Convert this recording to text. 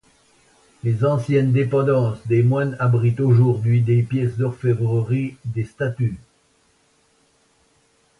Les anciennes dépendances des moines abritent aujourd'hui des pièces d'orfèvrerie, des statues...